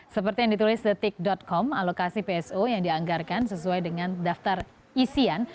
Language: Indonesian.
seperti yang ditulis detik com alokasi pso yang dianggarkan sesuai dengan daftar isian